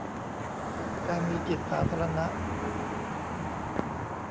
การมีจิตสาธารณะ